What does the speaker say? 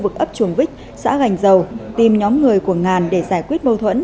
trong khu vực ấp chuồng vích xã gành dầu tìm nhóm người của ngàn để giải quyết mâu thuẫn